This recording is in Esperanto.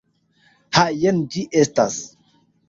Ha, jen ĝi estas.